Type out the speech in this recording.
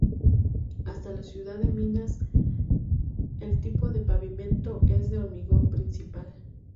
Hasta la ciudad de Minas el tipo de pavimento es de hormigón principalmente.